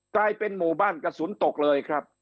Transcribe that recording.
กลายเป็นหมู่บ้านกระสุนตกเลยครับ